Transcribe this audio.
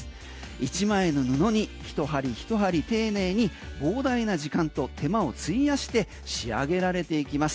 １万円の布にひと針ひと針丁寧に膨大な時間と手間を費やして仕上げられていきます。